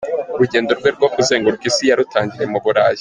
Urugendo rwe rwo kuzengurika isi yarutangiriye mu Burayi.